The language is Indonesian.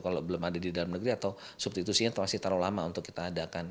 kalau belum ada di dalam negeri atau substitusinya masih terlalu lama untuk kita adakan